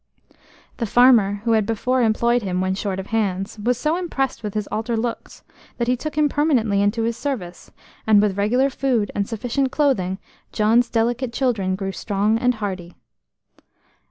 The farmer who had before employed him when short of hands, was so impressed with his altered looks that he took him permanently into his service, and with regular food and sufficient clothing John's delicate children grew strong and hardy.